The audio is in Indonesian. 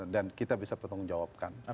dan kita bisa bertanggung jawabkan